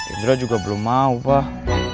indra juga belum mau pak